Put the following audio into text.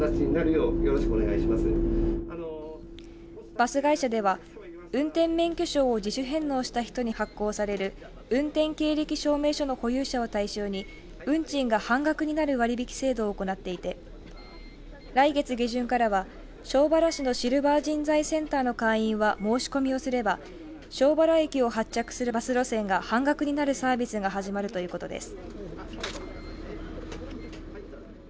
バス会社では運転免許証を自主返納した人に発行される運転経歴証明書の保有者を対象に運賃が半額になる割引制度を行っていて来月下旬からは庄原市のシルバー人材センターの会員は申し込みをすれば庄原駅を発着するバス路線が半額になるサービスが始まるということです。